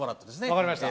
わかりました。